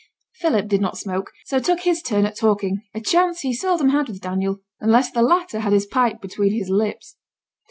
Philip did not smoke, so took his turn at talking, a chance he seldom had with Daniel, unless the latter had his pipe between his lips.